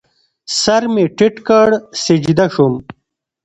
سر مې ټیټ کړ، سجده شوم